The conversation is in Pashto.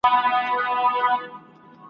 له لاسه ورکړي